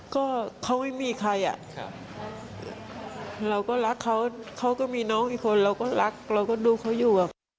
ก็เขาไม่มีใครอ่ะเราก็รักเขาเขาก็มีน้องอีกคนเราก็รักเราก็ดูเขาอยู่